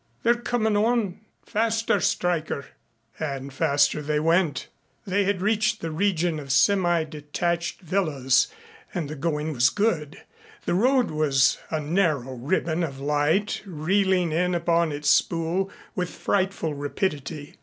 "They're coming on. Faster, Stryker." And faster they went. They had reached the region of semi detached villas and the going was good. The road was a narrow ribbon of light reeling in upon its spool with frightful rapidity.